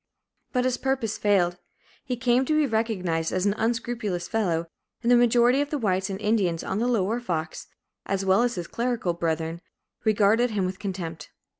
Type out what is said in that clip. " But his purpose failed. He came to be recognized as an unscrupulous fellow, and the majority of the whites and Indians on the Lower Fox, as well as his clerical brethren, regarded him with contempt.